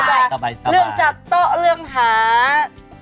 ใช่กลับไปต่อมาพี่อาจารย์บอก